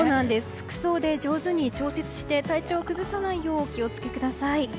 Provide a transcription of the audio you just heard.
服装で上手に調節して体調を崩さないようお気を付けください。